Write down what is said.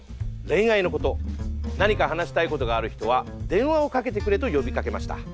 恋愛のこと何か話したいことがある人は電話をかけてくれと呼びかけました。